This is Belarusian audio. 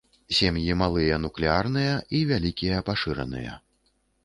Сем'і малыя нуклеарныя і вялікія пашыраныя.